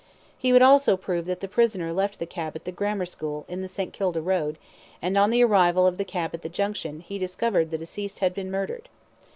He would also prove that the prisoner left the cab at the Grammar School, in the St. Kilda Road, and on the arrival of the cab at the junction, he discovered the deceased had been murdered.